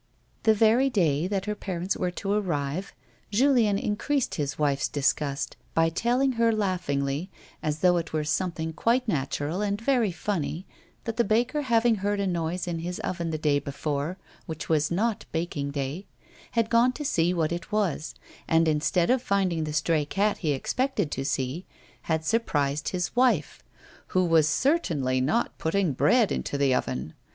The very day that her parents were to arrive, Julien in creased his wife's disgust by telling her laughingly, as though it were something quite natural and very funny, that the baker having heard a noise in his oven the day be fore, which was not baking day, had gone to see what it was, and instead of finding the stray cat he expected to see, had surprised his wife " who was certainly not putting bread into the oven.